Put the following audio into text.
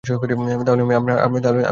তাহলে আমি আপনার জন্য কী করতে পারি?